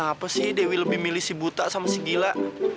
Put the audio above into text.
apa sih dewi lebih milih si buta sama si gila